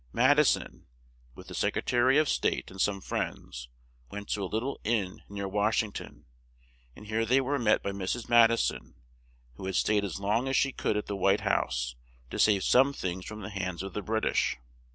Mad i son, with the Sec re ta ry of State and some friends, went to a lit tle inn near Wash ing ton, and here they were met by Mrs. Mad i son, who had stayed as long as she could at the White House to save some things from the hands of the Brit ish.